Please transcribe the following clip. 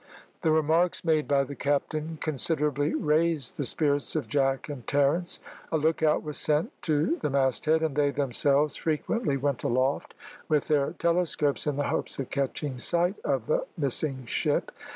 The remarks made by the captain considerably raised the spirits of Jack and Terence. A look out was sent to the masthead, and they themselves frequently went aloft with their telescopes, in the hopes of catching sight of the missing ship.